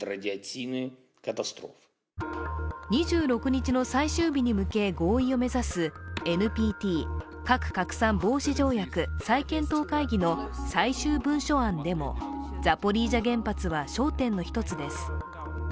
２６日の最終日に向け合意を目指すＮＰＴ＝核拡散防止条約再検討会議の最終文書案でも、ザポリージャ原発は焦点の一つです。